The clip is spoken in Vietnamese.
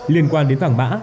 liên quan đến phảng bã